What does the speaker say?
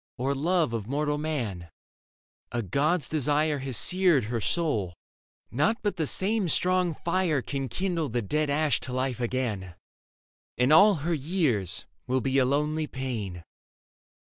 Or love of mortal man. A god's desire I o Leda Has seared her soul ; nought but the same strong fire Can kindle the dead ash to life again, And all her years will be a lonely pain.